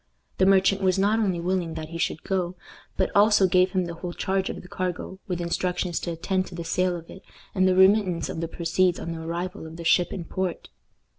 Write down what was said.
The merchant was not only willing that he should go, but also gave him the whole charge of the cargo, with instructions to attend to the sale of it, and the remittance of the proceeds on the arrival of the ship in port.